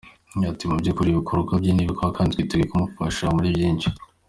Agira ati “Mu by’ukuri ibikorwa bye ni byiza kandi twiteguye kumufasha muri byinshi.